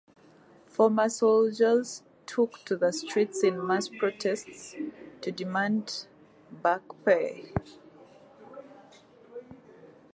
Former soldiers took to the streets in mass protests to demand back pay.